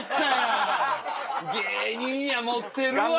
芸人や持ってるわ。